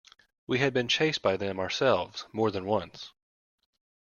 We had been chased by them ourselves, more than once.